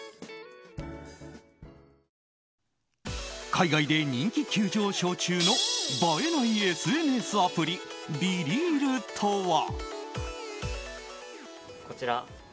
海外で人気急上昇中の映えないＳＮＳアプリ「ＢｅＲｅａｌ」とは。